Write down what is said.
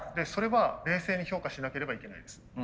それは冷静に評価しなければいけないです。